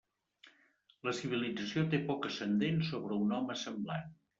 La civilització té poc ascendent sobre un home semblant.